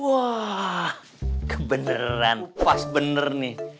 wah kebenaran pas bener nih